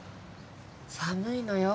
寒いのよ